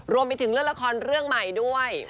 รวมไปถึงเรื่องละครเรื่องใหม่ด้วย